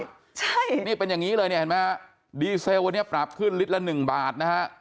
ใช่นี่เป็นอย่างนี้เลยเนี่ยเห็นไหมฮะดีเซลวันนี้ปรับขึ้นลิตรละหนึ่งบาทนะฮะ